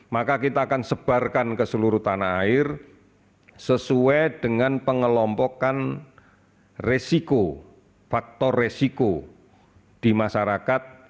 maka kita akan sebarkan ke seluruh tanah air sesuai dengan pengelompokan resiko faktor resiko di masyarakat